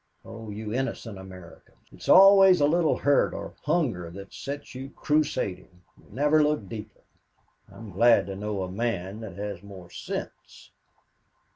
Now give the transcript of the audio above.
Oh, you innocent Americans! It is always a little hurt or hunger that sets you crusading. You never look deeper. I'm glad to know a man that has more sense."